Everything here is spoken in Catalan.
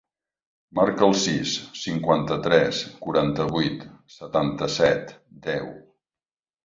Marca el sis, cinquanta-tres, quaranta-vuit, setanta-set, deu.